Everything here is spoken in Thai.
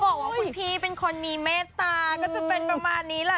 บอกว่าคุณพี่เป็นคนมีเมตตาก็จะเป็นประมาณนี้แหละ